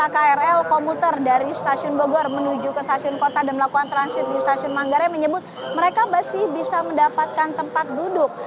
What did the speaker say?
krl komuter dari stasiun bogor menuju ke stasiun kota dan melakukan transit di stasiun manggarai menyebut mereka masih bisa mendapatkan tempat duduk